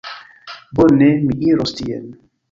Bone, mi iros tien.